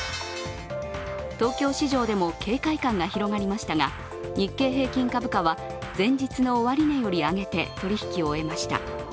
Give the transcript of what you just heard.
東京市場でも警戒感が広がりましたが日経平均株価は前日の終値より上げて取引を終えました。